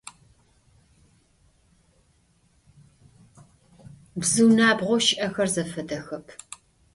Bzıu nabğou şı'exer zefedexep.